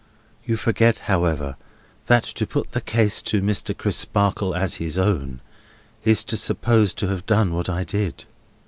You forget however, that to put the case to Mr. Crisparkle as his own, is to suppose to have done what I did."